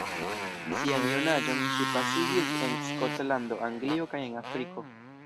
Sian junaĝon ŝi pasigis en Skotlando, Anglio kaj en Afriko.